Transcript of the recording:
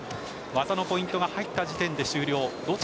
技のポイントが入った時点で終了。